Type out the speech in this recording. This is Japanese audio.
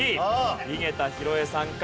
井桁弘恵さんか。